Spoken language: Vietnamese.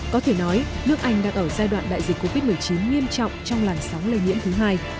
có thể nói nước anh đang ở giai đoạn đại dịch covid một mươi chín nghiêm trọng trong làn sóng lây nhiễm thứ hai